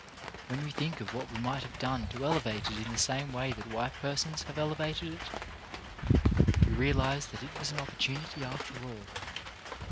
When we think of what we might have done to elevate it in the same way that white persons have elevated it, we realize that it was an opportunity after all.